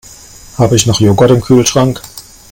Habe ich noch Joghurt im Kühlschrank?